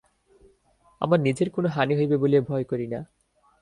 আমার নিজের কোনো হানি হইবে বলিয়া ভয় করি না।